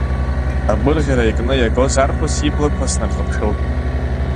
Агәырӷьара иакны иагоз арԥыс иблақәа снархыԥшылт.